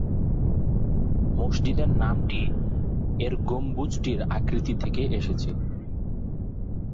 মসজিদের নামটি এর গম্বুজটির আকৃতি থেকে এসেছে।